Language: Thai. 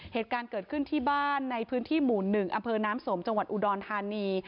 เหตุการณ์เกิดขึ้นที่บ้านในพื้นที่หมู่๑อน้ำสมจอุดรธานี